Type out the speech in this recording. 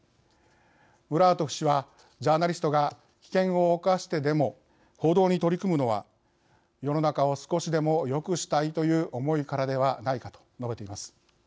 ムラートフ氏はジャーナリストが危険を冒してでも報道に取り組むのは「世の中を少しでもよくしたいという思いからではないか」と述べています。